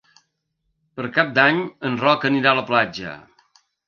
Per Cap d'Any en Roc anirà a la platja.